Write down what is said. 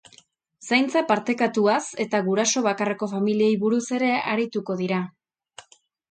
Zaintza partekatuaz eta guraso bakarreko familiei buruz ere arituko dira.